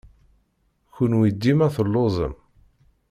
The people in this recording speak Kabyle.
Kenwi dima telluẓem!